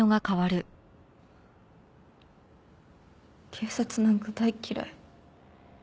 警察なんか大嫌い。